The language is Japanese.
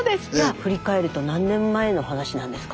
振り返ると何年前の話なんですか？